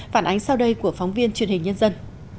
phản ánh sau đây của phóng viên truyền hình nhân dân